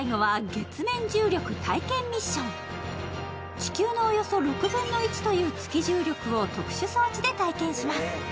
地球のおよそ６分の１という月重力を特殊装置で体験します。